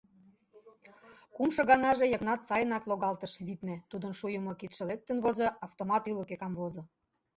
Кумшо ганаже Йыгнат сайынак логалтыш, витне: Тудын шуйымо кидше лектын возо, автомат ӱлыкӧ камвозо.